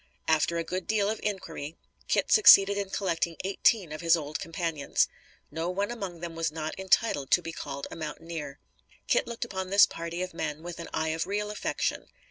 After a good deal of inquiry, Kit succeeded in collecting eighteen of his old companions. No one among them was not entitled to be called a mountaineer. Kit looked upon this party of men with an eye of real affection.